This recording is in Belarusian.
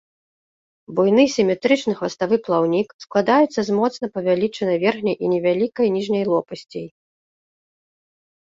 Буйны сіметрычны хваставы плаўнік складаецца з моцна павялічанай верхняй і невялікай ніжняй лопасцей.